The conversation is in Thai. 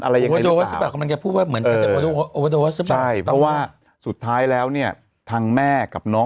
อะไรมันก็พูดว่าเพราะว่าสุดท้ายแล้วเนี่ยทางแม่กับน้อง